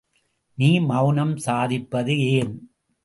நீ மவுனம் சாதிப்பது ஏன்?